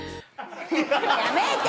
やめて！